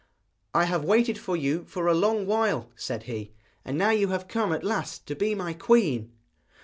'I have waited for you for a long while,' said he, 'and now you have come at last to be my queen.'